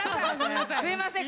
すいません